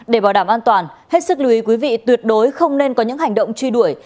để bảo đảm an toàn hết sức lưu ý quý vị tuyệt đối không nên có những hành động truy đuổi